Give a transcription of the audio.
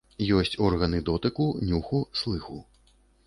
Есць органы дотыку, нюху, слыху.